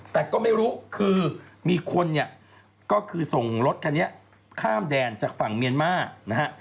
แต่ก็ไม่รู้คือมีคนเนี่ยก็คือส่งรถคันนี้ข้ามแดนจากฝั่งเมียนมาร์นะฮะ